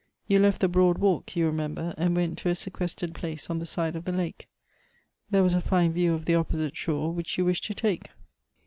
You left the broad walk, you remember, and went to a sequestered place on the side of the lake. There was a fine view of the opposite shore which you wished to take.